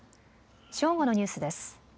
正午のニュースです。